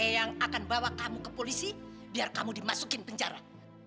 yang akan bawa kamu ke polisi biar kamu dimasukin penjara